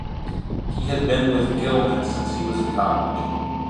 He had been with Gillman since he was in college.